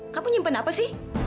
kamu simpen apa sih